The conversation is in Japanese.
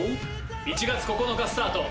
１月９日スタート。